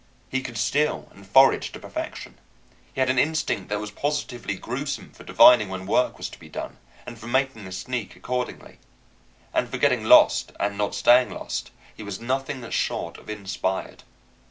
He could steal and forage to perfection; he had an instinct that was positively gruesome for divining when work was to be done and for making a sneak accordingly; and for getting lost and not staying lost he was nothing short of inspired.